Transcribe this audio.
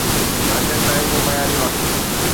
ارجنٽائن جو معياري وقت